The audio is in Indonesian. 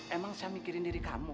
emang saya mikirin diri kamu